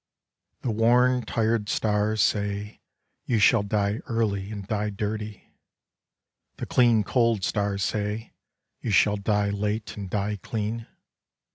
The worn tired stars say you shall die early and die dirty. The clean cold stars say you shall die late and die clean.